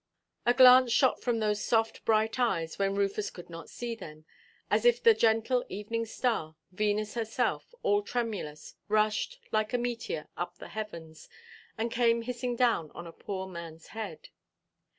A glance shot from those soft bright eyes, when Rufus could not see them, as if the gentle evening star, Venus herself, all tremulous, rushed, like a meteor, up the heavens, and came hissing down on a poor manʼs head.